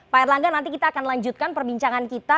pak erlangga nanti kita akan lanjutkan perbincangan kita